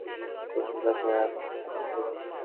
তুমি এ ব্যাপারে আমাকে সাহায্য করবে।